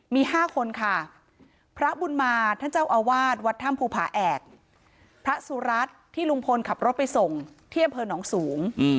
มี๕คนค่ะพระบุญมาท่านเจ้าอาวาสวัดถ้ำภูผาแอกพระสุรัตน์ที่ลุงพลขับรถไปส่งที่อำเภอหนองสูง